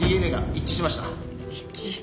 一致。